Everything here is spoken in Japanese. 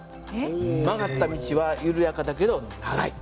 曲がった道は緩やかだけど長い。